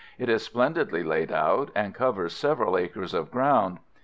It is splendidly laid out, and covers several acres of ground.